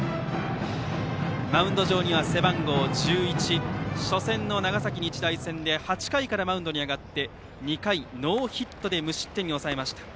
マウンド上には背番号１１初戦の長崎日大戦で８回からマウンドに上がって２回ノーヒットで無失点に抑えました。